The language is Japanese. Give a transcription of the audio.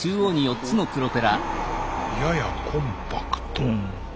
ややコンパクト。